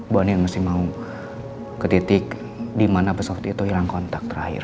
bu andien masih mau ke titik di mana pesawat itu hilang kontak terakhir